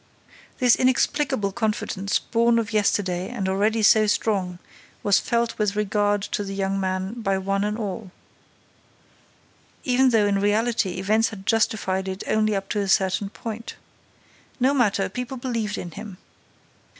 This inexplicable confidence, born of yesterday and already so strong, was felt with regard to the young man by one and all, even though, in reality, events had justified it only up to a certain point. No matter, people believed in him!